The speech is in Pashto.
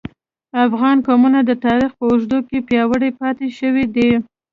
افغان قومونه د تاریخ په اوږدو کې پیاوړي پاتې شوي دي